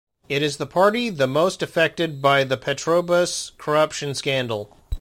It is the party the most affected by the Petrobras corruption scandal.